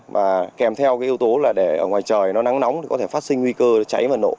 và kèm theo yếu tố là để ngoài trời nó nắng nóng có thể phát sinh nguy cơ cháy và nổ